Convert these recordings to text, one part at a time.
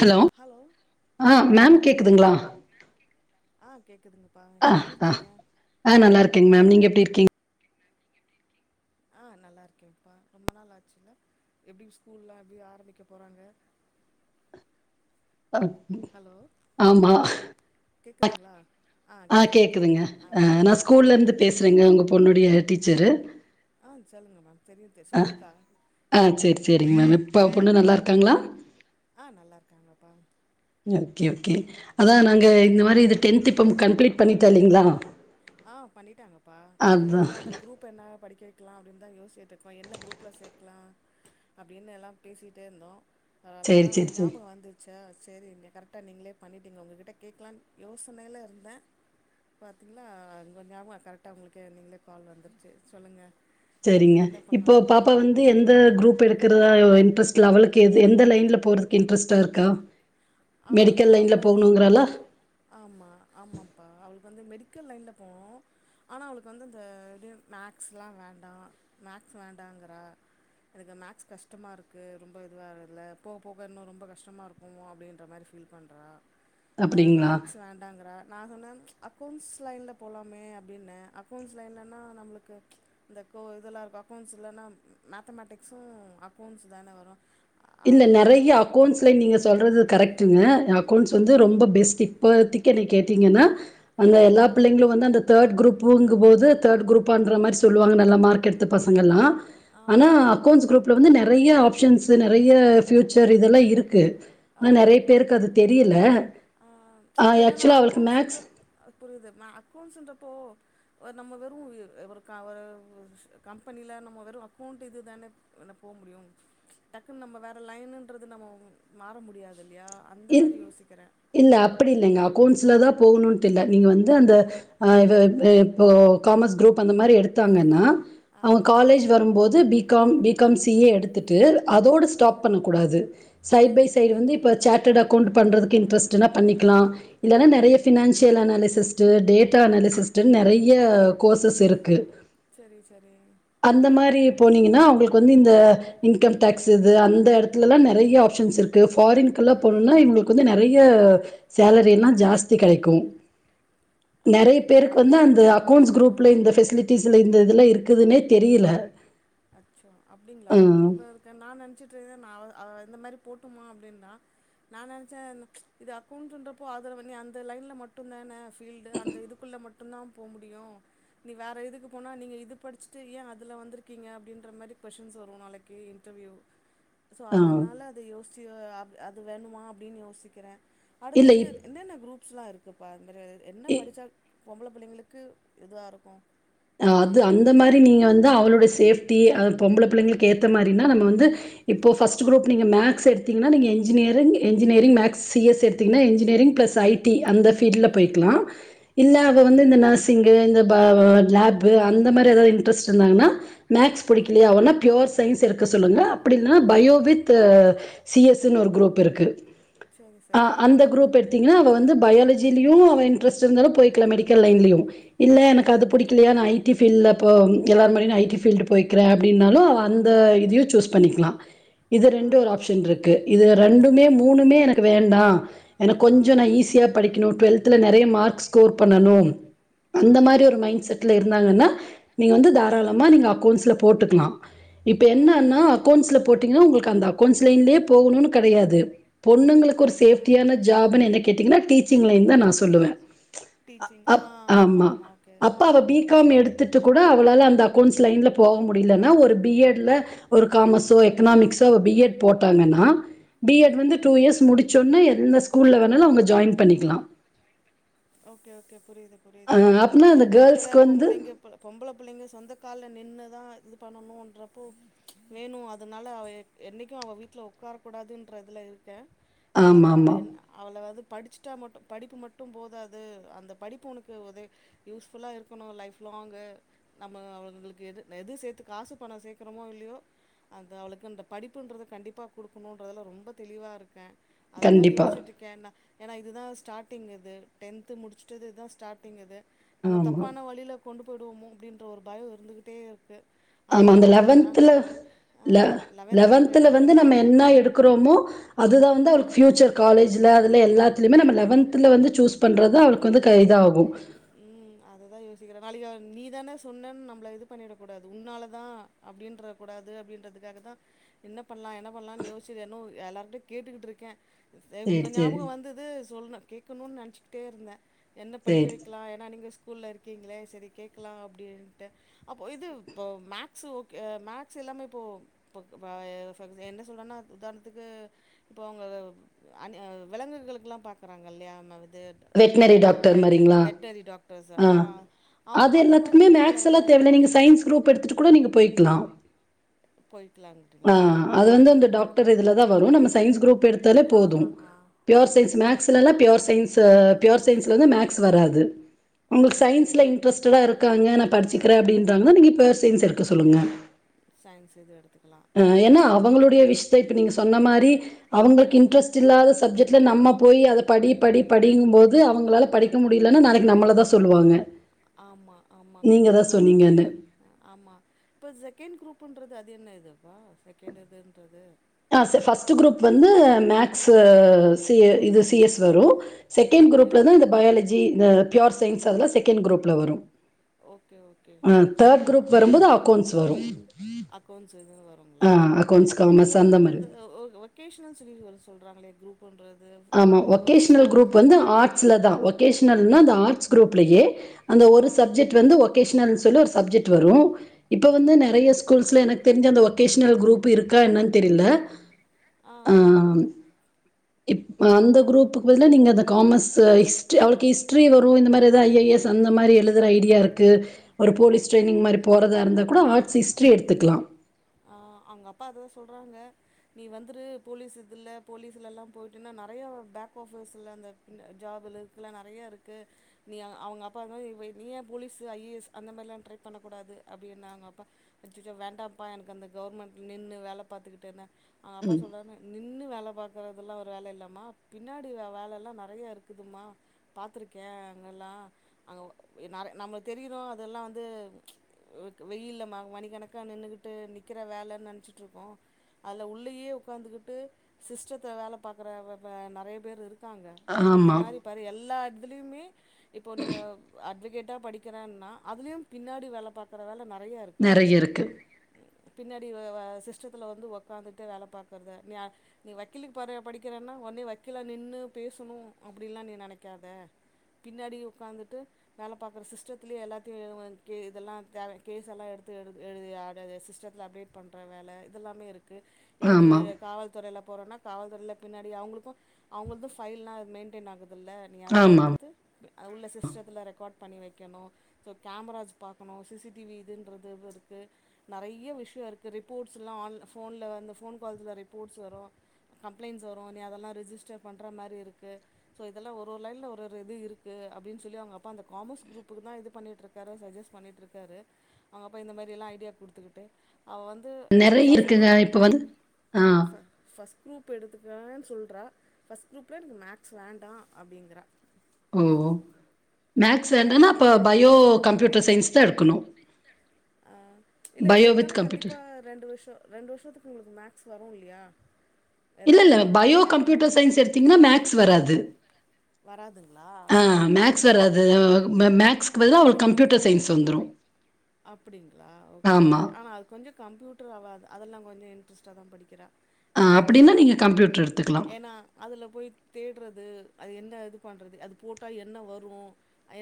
Hello ஆ ma'am கேக்குதுங்களா ஆ கேக்குதுங்ப்பா ஆ எப்டி ஆ இருக்கீங்க ஆ நல்லா இருக்கே மேம் நீங்க எப்டி இருக்கீங்க ஆ நல்லா இருக்கேப்பா ரொம்ப நாள் ஆச்சி இல்ல எப்டி ஸ்கூல்லாம் எப்டி ஆரம்பிக்க போறாங்க அ, ஹலோ ஆமா கேக்குதுங்களா ஆ கேக்குது கேக்குதுங்க கேக்குது ஆ நா ஸ்கூலே ஆ இருந்து பேசுறேங்க உங்கள பொண்ணோடைய டீச்சரு ஆ சொல்லுங்க மேம் தெரியு தெரி சொல்லியிருக்கா ஆ சேரி சேரிங்க மேம் இப்ப பொண்ணு நல்லாருக்காங்களா ஆ நல்லாருக்காங்கப்பா ஓகே ஓகே அதா நாங்க இந்த மாரி இது டென்த் இப்போ கம்ப்ளீட் பண்ணிட்டால்லைங்களா ஆ பண்ணிட்டாங்கப்பா நாங்களே அதா அதா குரூப் பு என்னா படிக்க வைக்கலா அப்டின்னுதா யோசிச்சிட்டுருக்கோ என்ன குரூப்ல சேக்கலா அப்டின்னு எல்லா பேசிட்டேருந்தோ பரவால்ல சேரி அதா அவுங்க சேரி சேரி ஞாபகம் வந்து வந்ச்சா செரி நீங்க கரெக்டா நீங்களே பண்ணட்டீங்களே உங்கக் கிட்ட கேட்கலான்னு யோசனையில இருந்தே பாத்தீங்களா உங்க ஞாபகோ கரெக்ட்டா உங்களுக்கு நீங்களே கால் வந்துருச்சு சொல்லுங்க செரிங்க என்ன இப்போ பாப்பா பண்ணலான்னு வந் இது எந்த குரூப் எடுக்கறதா இன்ட்ரெஸ்ட் லெவலுக்கு எந்த லைனில் போகறதுக்கு இன்ட்ரெஸ்டாருக்கா [inaudible] மெடிக்கல் அவ லைன்ல பாத்து போகணுங்குறாலா ஆமா ஆமாப்பா அவளுக்கு வந்து மெடிக்கல் லைன்ல போ ஆனா அவளுக்கு வந்து இந்த ட்டு மேக்ஸ்லா வேண்டா மேக்ஸ் வேண்டாங்குறா எனக்கு மேக்ஸ் கஷ்டமாருக்கு ரொம்ப இதுவால்ல போக போக இன்னு ரொம்ப கஷ்டமாருக்குவு அப்டின்னு அந்த மாரி பீல் பண்றா அ அப்டிங்களா மேக்ஸ் வேண்டாங்குற நா சொன்ன அக்கௌண்ட்ஸ் லைன்ல போலாமே அப்டின்னே அக்கௌண்ட்ஸ் லைன்லனா நம்மளுக்கு இந்த கோ இதெல்லாருக்கு அக்கௌண்ட்ஸ்ல்லன்னா ம் மேத்தமேட்டிக்ஸு அக்கௌனக்ஷண்ட்ஸ் தான வரு அவ இந்த என்ன நறைய சொல்றானா அக்கௌண்ட்ஸ் ஸுல நீங்க சொல்றது கரெக்ட்டுங்க அக்கௌண்ட்ஸ் வந்து ரொம்ப பெஸ்ட் இப்போதிக்கி என்னயே கேட்டிங்கன்னா அல்ல ம் எல்லா பிள்ளைங்களு வந்து அந்த தேர்ட் குரூப்புங்கு போது தேர்ட் குரூபான்ற மாரி சொல்வாங்க நல்ல மார்க் எடுத்து பசங்கெல்லா ஆனா ஆமா அக்கௌண்ட்ஸ் குரூப்ல வந்து நறைய ஆப்ஷன்ஸு நறைய ஃப்யூச்சர் இதெல்லா இருக்கு ஆ அ நறைய பேருக்கு அது தெரியல ஆ ஆ இப்ப என்னன்னா ஆக்சுவலா அவளுக்கு மேக்ஸ் அக்கௌண்ட்ஸ்ன்றப் அ புரியுது நா அக்கௌண்ட்ஸ்ன்றப்போ அ நம்ம வெறு ஏ ஒரு ஒரு கம்பெனியில நம்ம வெறு அக்கௌண்ட் இது தானேப் என்ன போ முடியு டக்குன்னு நம்ம வேற லைனுன்றது நம்ம மாற முடியாது இல்லையா அந்த இல் மாரி யோசிக்கிறே இல்ல அப்பிடில்லைங்க அக்கௌண்ட்ஸ்ல தா போகணுன்ட்டுல்லநீங்க வந்து அந்த ஆ இது து இப்போ காமர்ஸ் குரூப் அந்த மாரி எடுத்தாங்கன்னா ஆ அவங்க காலேஜ் வரும்போது B com B com C A எடுத் துட்டு அதோடு ஸ்டாப் பண்ணக்கூடாது சைட் ம் பை சைடு வந்து புரியுது இப்ப டேட் அக்வுண்ட் பண்றதுக்கே இன்ட்ரெ்ட்ன் பண்ணிக்கலா ஆ இல்லனா நறைய financial analyst data analyst நறைய கோர்சஸ் இருக்கு செரி செரி அந்த மாரி போனீங்கன்னா அவங்களுக்கு வந்து இந்த இன்கம் டேக்ஸு இது அந்த எடத்துலல்லா நறைய ஆப்ஷன்ஸ்ருக்கு ஃபாரின்கெல்ல போனுன்னா இவுங்களுக்கு வந்து நறைய சேலரின்னா ம் ம் ஜாஸ்தி கெடைக்கு நறைய அப்டிங்களா பேருக்கு வந்து தேர்ட் அந்த அக்கௌண்ட்ஸ் குரூப்புதா குரூப்ல இந்த ஃபெசிலிட்டிஸ்ல இந்த இதெல்லா இருக்குதுனே தெரியல அச்சோ அப்டிங்களா ம். இவ்ளோருக் குன் நா நெனச்சிட்டு நா அவர் அவ எந்த மாரி போட்டுமா அப்டின்னா நா நெனச்சே இது அக்கௌண்ஸ்ட்ன்றப்போ அதுல பண்ணி அந்த லையன்ல மட்டு தான்ன பீல்ட்டு அந்த இதுக்குள்ள மட் ட்டு தா போ முடியு நீ வேற இதுக்கு போனா நீங்க இது படிச்சுட்டு ஏ அதுல வந்துருக் க்கீங்க அப்டின்ற மாரி கொஸ்டின்ஸ் வரு நாளைக்கு இன்டர்வியூ சோ ஆ. அதனால யோசி அது வேணுமா அப்டின் யோசிக்கிற அடுத்த இல்ல இது இப் என்னென்ன குரூப் ஸ்லா இருக்குப்பா அது மாரி என்ன இ படிச்சா பொம்பள புள்ளைங்களுக்கு இதுவா இருக்கு அவங்க அது அந்த மாரி நீங்க வந்து அவளுடைய சேஃப்டி பொம்பள புள்ளைங்களுக்கு ஏத்த மாரினா நம்ம வந்து இப்போ ஃபர்ஸ்ட் குரூப் நீங்க மேக்ஸ் எடுத்தீங்கனா நீங்க இஞ்ஜினியரிங் மேக்ஸ் சி எஸ் எடு த்திங்கனா இஞ்ஜினியரிங் பிளஸ் ஐ டி அந்த ஃபீல்டல போயிக்கலா ம் இல்ல அவ வந்து இந்த நர்சிங இந்த ப லேப்பு அந்த மாரி எதாவது இன்ட்ரெஸ்ட் இருந்தாங்கனா மேக்ஸ் புடிக்கலயா அவள பியர் சைன்ஸ் எடுக்க சொல்லுங்க அப்டினா ம் பயோவித் சிஎஸ்ன் ஒரு குரூப் இருக்கு சரி அ சரி அந்த குரூப் எடுத் தீங்னா அவ வந்து பயாலஜிலயு அவ இண்ட்ரெஸ்ட் இருந்தாலு போய்க்லா மெடிக்கல்லைன்லயு இல்ல எனக்கு ம் அது புடிக் புரியுது ஐடி ஃபீல்ல இப்போ எல்லார் மாரியு நா ஐடி ஃபீல்டு போய்கிறே அப்டின்னாலு அந்த இதையு சூஸ் பண்ணிக்லா இது ஆ ரெண்டு ஒரு ஆப்ஷன் புரி இருக்கு இது ரெண்டுமே மூணுமே எனக்கு வேண்டா எனக்கு ஆ கொஞ்சோ நா ஈஸியா படிக்ணு டுவெல்த்ல நெறய மார்க்ஸ் ஸ்கோர் பண்ணணு ஆ அந்த மாரி ஒரு மைண்ட் புரியுது செட்ல இருந்தாங்கனா நீங்க வந்து தாராளமா நீங்க அக்கௌண்ட்ஸ்ல போட்டுக்லா இப்ப ஆ என்னனா அக்கவுண்ட்ஸ்ல போட்டீங்கனா உங்களுக்கு அந்த அக்கவுண்ட்ஸ்லன்தே போகணுன் கெடையாது பொண்ணுங்களுக்கு ஓகே ஒரு ஓகே சேஃப்டியான ஜாப்ன் என்ன கேட்டீங்கனா டீச்சிங்லைனுதா நா சொ சொல்லுவ அ அப் ஆமா க அப்ப அவ பிகாம் எடுத்துட்டு கூட அவளால அந்த அக்கௌண்ட்ஸ் லைன்ல போக முடிலன்னா ஒரு பி எட் ல ஒரு காமர்ஸோ ம் எக்கனாமிக்ஸோ பீஎட் போட்டாங்கன்னா பிஎட் ம் வந்து டூ புரியுது இயர்ஸ் முடிச் ச்சொன்ன எந்த ஸ்கூல்ல வேணாலு அவங்க ஜாயின் பண்ணிக்லா ஓகே ஓகே புரியுது அ புரியுது அப்பனா ஏன்னா அந்த இப்ப இருக்குற கேர்ள்ஸ்க்கு வந்து பொம்பளைங்க பொம்பள புள்ளைங்க சொந்தக்கால்ல நின்னுதா இது பண்ணணுன்றப்போ வேணு அதனால அவ எ என்னைக்கு அவ வீட்ல உக்கார கூடாதுன்றதுல இருக்க அதா அவ ஆமாமா. என் அவள வந்து படிச்சுட்டா மட்டு படிப்பு மட்டு போதாது து அந்த படிப்பு உனக்கு ஒதே யூஸ் ஃபுல்லா இருக்கணு லைஃப் லாங்கு நம்ம அவங்களுக்கு எது எது சேத்து காசு பணோ சேக்குறமோ இல்லயோ அந்த அவளுக்கு அந்த படிப்புன்றத கண்டிப்பா குடுக்கணுன்றதுல ரொம்ப தெளிவா இருக்க அதுக்கு தா கண்டிப்பா. யோசிச்சுட்ருக்க நா ஏனா இதுதா ஸ்டார்ட்டிங் இது டென்து முடிச்சுட்டு இதுதா ஸ்டார்டிங் இது நம்ம ஆமா. தப்பான வழில கொண்டு போய்டுவோமோ அப்டின்ற ஒரு பயோ இருந்துகிட்டே இருக்கு ஆமா அந்த அவளும் வந்து லெவன்த்ல ஆமா லெவன்த்தில் லெவன்த்ல வந்து எடுக்கிறது நம்ம தானே என்னா எடுக்குறோமோ அதுதா வந்து அவளுக்கு ஃப்யூச்சர் காலேஜில அதில எல்லாத்லயுமே நம்ம லெவன்த்ல வந்து சூஸ் பண்றதா அவளுக்கு வந்து கை இதாகு ம் அதுதா யோசிக்கிற நாளைக்கு நீ தான சொன்னன் நம்மள இது பண்ணிடக்கூடாது உன்னாலதா அப்டின்ற கூடாது அப்டின்றதுக்காகதா என்ன பண்லா என்ன பண்ணலான் யோசிச்சுன்னே எல்லார்கிட்டயு கேட்டுக்கிட்ருக்க சே உங்க சரி, சரி. ஞாபக வந்துது சொல்ல கேக்கணுன் நெனச்சிக்கிட்டே இருந்த என்ன படிக்க சரி. வைக்கலா ஏன்னா நீங்க ஸ்கூல்ல இருக்கீங்ளே செரி கேக்லா அப்டின்ட்டு அப்போ இது இப்போ மேக்ஸ் ஓகே மேக்ஸ் இல்லாம இப்போ ப்போக் பாய [unintelligible] என்ன சொல்றனா உதாரணத்துக்கு இப்போ அவங்க அன்னே விலங்குகளுக்கெல்லா பாக்குறாங்கல்லயா இது வெட்னரி டாக் [unintelligible] வெட்னரி டாக் ஆ அது எல்லாத்துக்குமே இதுக்கெல்லா என்ன மேக்ஸ்ல்லா தேவயில்ல நீங்கள் சையின்ஸ் குரூப் எடுத்துட்டு கூட நீங்க போய்கலா ஆ போய்க்கலாங்கிறீங்களா அது ம் வந்து ம் அந்த ம் டாக்டர் இதுலதா வரு நம்ம சயின்ஸ் குரூப் எடுத்தாலே போது ஆஹா ஹா பியோர் சயின்ஸ் மேக்ஸ்லல்லா பியோர் சயின்ஸ்ஸு பியோர் சயின்ஸ்ல வந்து மேக்ஸ் வராது ஓகே ஒங்களுக்கு ஓகே சயின்ஸ்ல இன்ட்ரஸ்ட்டா இருக்காங்க நா படிச்சுக்கிறே அப்டின்றாங்கனா நீங்க ப்யோர் சயின்ஸ் எடுக்க சொல்லுங்க சையின்ஸ் இது எடுத்துக்கலா ஆ ஓகே ஓகே சே இப்ப நீங்க சொன்ன மாரி ஆ அவுங்களுக்கு இன்ட்ரஸ்ட் இல்லாத சப்ஜெக்ட்ல நம்ம போய் அத படி படி படிங்கு போது அவுங்களால படிக் க்க முடியலன்ன நாளைகு நம்மளதா சொ ஆமா ஆமா நீங்க தா கண்டிப்பா சொன்னீங்கன்னு அததா ஆ ஆமா இப்ப செகேண்ட் குரூப்புன்றது அது என்ன இதுப்பா செகேண்ட் இதுன்றது ஆ ச ஃபஸ்ட்டு குரூப் வந்து மேக்ஸு இதுய ஓகே சி எஸ் வரு செகேண்ட் ஓகே குரூப்ல தா இந்த பயாலஜி ஜி இந்த ப்யோர் சயின்ஸ் அதல்லா செகேண்ட் குரூப்ல வரு ஓகே ஓகே அ தேர்ட் குரூப் வரும்போது அகோண்ட்ஸ் வரு அகோண்ட்ஸ் இதுவு வருங்களா ஓகே இப்ப அந்த தந்த மாரியு ஆ ஒ வொகேஷனல் சொல்லி வர சொல்றாங்களே குரூப் புன்றது ஆமா வொகேஷனல் குரூப் வந்து ஆட் ஸ்லதா வொகேஷனல்னா அந்த ஆட்ஸ் குரூப்லயே அந்த ஆ ஒரு சப்ஜெக்ட் டு வந்து ஒகேஷனல்னு சொல்லி ஒரு சப்ஜெக்ட் வரு இப்ப வந்து நெறைய ஓகே ஸ்கூல்ஸ்ல எனக்கு தெரிஞ்சு அந்த ஒகேஷனல் குரூப் இருக்கா என்னன் தெரில ஆ இப் அந்த குரூப்புக்கு பதிலா நீங்க அந்த காமர்ஸ் ஹிஸ்ட்ரி அவளுக்கு ஹிஸ்ட்ரி வரு இந்த மாரி எதாது ஐ ஏ எஸ் அந்த மாரி எழுதுற ஐடியா இருக் கு ஒரு போலீஸ் ட்ரைனிங் மாரி போறதா இருந்தா கூட ஆ ஆட்ஸ் ஹிஸ்ட்ரி எடுத்துக்கலா ஆ அவுங்க அப்பா அதுதா சொல்றாங்க நீ வந்துரு போலீஸ் இதுல் போலீஸ்லலா போய்ட்டுன்னா நெறையா பேக் ஆஃபர்ஸ்ல அந்த அந்த ஜாபுல இருக்குல நெறையா இருக்கு நீ அவுங்க அப்பாதா [unintelligible] நீ ஏ போலீஸு ஐ ஏ எஸ் அந்த மாரில்லா ட்ரை பண்ணக் கூடாது அப்டின்னாங்க அப்பா அச்சச்சோ வேண்டாம் அப்பா எனக்கு அந்த கவுர்மண்ட் நின்னு வேல பாத்துகிட்டேனு அவுங்க அப்பா ம். சொல்றாற்னு நின்னு வேல பாக்கறதல்லா ஒரு வேல இல்லமா பின்னாடி வே வேலெல்லா நெறைய இருக்குதுமா பாத்துருக்கே அங்கெல்லா அங்க நெறைய நம்ம தெரியரோ அதெல்லா வந்து வ்கு வெயில்ல ம மணிக்கணக்கா நின்னுகிட்டு நிக்கிற வேலன் நெனைச்சுட்ருக்கோ அதுல உள்ளயே உக்காந்துக்கிட்டு சிஸ்டத்த வேல பாக்குற வ வ நெறைய பேர் இரு க்காங்க நீ அந்த ஆமா. மாரி பாரு எல்லா எடத்துலயுமே இப்போ நீங்க அட்வகேட்டா படி க்கிறேனா அதுலயு பின்னாடி வேல பாக்கற வேல நெறையா இருக்கா இருக்கு பின்னாடி வ வ சிஸ்டத்துல வந்து உக்காந்துட்டே வேல பாக்குறது நீ நீ வக்கீலுக்கு போறியா படிக்கிறன்னா உன்னே வக்கீலா நின்னு பேசணு அப்டிலா நீ நெனைக்காத பின்னாடி உக்காந்துட்டு வேல பாக்கற சிஸ்டத்தலயே எல்லாத்தையு வ கே இதெல்லா த கேஸ் எல்லா எடுத்து எழுதி எழுதி அ த த சிஸ்டத்துல அப்டேட் பண்ற வேல இதெல்லாமே இருக்கு இப்ப நீ ஆமா, காவல் துறேல போறேன காவல்துறேல பின்னாடி அவுங்களுக்கு அவுங்களளுது ஃபைல்லா மெயின்டைன் ஆகுதுல்ல நீ அதல்லா ஆமா. எடுத்து ப உள்ள சிஸ்டத்துல ரெக்கார்ட் பண்ணி வைக்கணு சோ கேமராஸ் பாக்கணு சி சி டி வி இதுன்றது இது இருக்கு நெறைய விஷயொ இருக்கு ரிப்போர்ட்ஸ்லா ஆன் ஃபோன்ல வந்த ஃபோன் கால்ஸ்ல ரிப்போர்ட்ஸ் வரு கம்ப்ளைன்ட்ஸ் வரு நீ அதெல்லா ரிஜிஸ்டர் பண்ற மாரி இருக்கு சோ இதெல்லா ஒரு ஒரு லைன்ல ஒரு ஒரு இது இருக்கு அப்டினு சொல்லி அவங்கப்பா அந்த காமர்ஸ் குரூப்க்குதா இது பண்ணிட்டுருக் காரு சஜஸ் பண்ணிட்டுருக்காரு அவங்கப்பா இந்த மாரி எல்லா ஐடியா குடுத்துக்குட்டு அவ வந் து எனக்கு நெறைய ஃபஸ்ட் இருக்குங்க. குரூப்பு இப்ப வந்து ஆ. ஃப ஃபஸ்ட் குரூப் எடுத்துக்குறேன் சொல்றா ஃபஸ்ட் குரூப்ல எனக்கு மேக்ஸ் வேண்டா அப்டிங்குறா ஓ மேக்ஸ் அந்த வேண்டன்னா அப்போ மாரி என்ன பயோ அது அது கம்ப்யூட்டர் சயின்ஸ்தா எடுக்கணு ஆ இல்ல இப்போ இருந்தாலு கண்டிப்பா ரெண்டு வருஷோ ரெண்டு வருஷத்துக்கு உங்களுக்கு மேக்ஸ் வரு இல்லியா இல்ல இல்ல பயோ கம்ப்யூட்டர் சயின்ஸ் எடுத் தீங்ன்னா மேக்ஸ் வராது வராதுங்களா ஆ மேக்ஸ் வராது மே மேக்ஸ்க்கு ஆ பதிலா அவளுக் கம்ப்யூட்டர் சயின்ஸ் வந்துரு அப்டிங்ளா ஓகே ஓகே ஆனா அது கொஞ்சொ கம்ப்யூட்டர் அவ அது அதெல்லா கொஞ்சொ இன்ட்ரெஸ்ட்டாதா படிக்கிறா ஆ எனக்கந்த அப்டின்னா இதுலா நீங்க கம்ப்யூட்டர் எடுத்துக்கலாம். ஏனா அதுல போய் தேடுறது அது என்ன இது பண்றது அது போட்டா என்ன வரு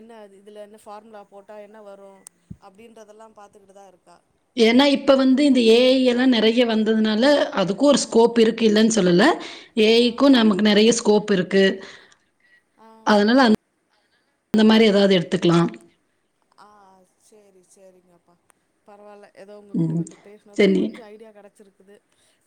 என்ன இது இதுல என்ன ஃபார்முலா போட்டா என்ன வரு அப்டின்றதெல்லா பாத்துக்ட்டுதா இருக்கா ஏனா இப்ப வந்து இந்த ஏ ஐ எல்லா நெறைய வந்ததுனால அதுக்கு ஒரு ஆ ஸ்கோப் இருக்கு இல்லன் சொல்லல ஏ ஐ க்கு ஆ நமக் நெறைய ஸ்கோப் இருக்கு ஆ அதனால அந் ந்த மாரி எதாவ்து எடுத்துக்கலா ஆ செரி செரிங்கப்பா பரவால்ல எதோ உங்ககிட்ட ம். கொஞ்சொ பேசுனதுல சரி கொஞ்சொ ஐடியா கெடச்சிருக்குது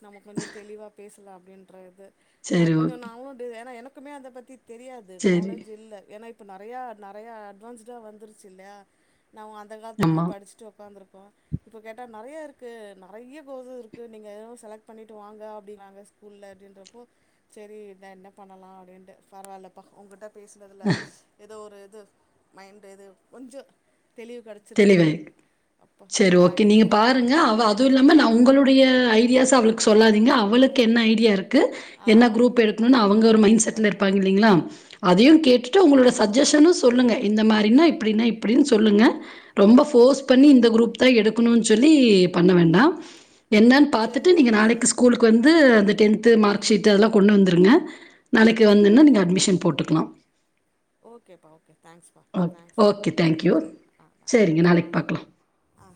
நம்ம கொஞ்சொ தெளிவா பேசலா அப்டின்ற இது ஏனா சரி கொஞ்சொ ஓகே. நாவுண்டு ஏனா எனக்குமே அத பத்தி தெரியாது சரி. நாலேஜ் இல்ல ஏனா இப்ப நெறையா நெறையா அட்வான்ஸுடா வந்துருச்சு இல்லா நாம்ம அந்த காலத்து இப்போ ஆமா. படிச்சுட்டு உக்காந்துருக்கோ இப்போ கேட்டா நெறையா இருக்கு நெறைய கோர்ஸ்சூ இருக்கு நீங்க எதனா செலக்ட் பண்ணிட்டு வாங்க அப்டிங்றாங்க புல்ல அப்டின்றப்போ சரி தா என்ன பண்ணலா அப்டின்ட்டு பரவால்லப்ப உங்கிட்ட பேசுனதுல எதோ ஒரு இது மைண்ட் இது கொஞ்சொ தெளிவு கெடச் சுருக்குது தெளிவாய் சரி ஓகே நீங்க பாருங்க அவ ஆமாம் அதுவு ஆமாம் இல்லாம நா உங்களுடைய ஐடியாஸ்ஸ அவளுக் சொல்லாதீங்க அவுளுக்கு என்ன ஐடியா இருக்கு ஆ என்ன குரூப் எடுக்கணுனு அவங்க ஒரு மைண்ட் கண்டிப்பாக செட்ல இருப்பாங் கில்லைங்ளா அதையு கேட்டுட்டு உங்களோட ஆமாம் ஆமாம் சஜஷன்னு சொ சொல்லுங்க இந்த மாரின்னா இப்டின்னா இப்டின்னு சரி சொல்லுங்க ரொம்ப ஃபோர்ஸ் பண்ணி இந்த குரூப்தா சரிங்கப்பா எடுக் குனுன் சொல்லி பண்ண வேண்டா என்னன் பாத்துட்டு நீங்க சரிங்கப்பா நாளைக்கு சரிங்கப்பா ஸ்கூலுக்கு வந் து அந்த டென்த்து மார்க்ஷீட் அதெல்லா கொண்டு வந்துருங்க நாளைக்கு வந்துன்னா நீங்க ஓகேப்பா அட்மிஷன் போட்டுக்கலா ஓகேப்பா ஓகே தேங்க்ஸ்ப்பா தேங்க்ஸ்ப்பா தேங் தேங் ஆ ஆ கேங்க நாளைக் பாக்கலா ஆ